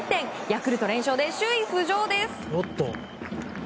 ヤクルト連勝で、首位浮上です。